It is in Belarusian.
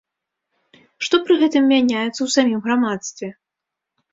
Што пры гэтым мяняецца ў самім грамадстве?